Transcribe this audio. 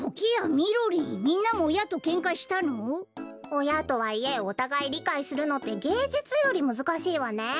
おやとはいえおたがいりかいするのってげいじゅつよりむずかしいわね。